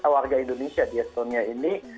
warga indonesia di estonia ini